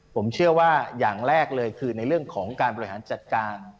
ผมเชื่อว่าอย่างแรกเลยคือในเรื่องของการบริหารจัดการ